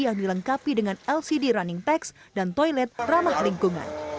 yang dilengkapi dengan lcd running text dan toilet ramah lingkungan